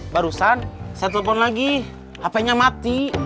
barusan saya telepon lagi hp nya mati